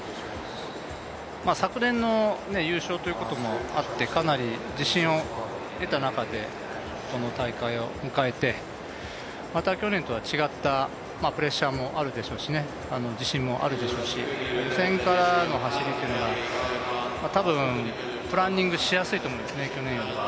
昨年の優勝ということもあって、かなり自信を得た中でこの大会を迎えて、また去年とは違ったプレッシャーもあるでしょうし、自信もあるでしょうし予選からの走りというのは多分、プランニングしやすいと思うんですね、去年よりは。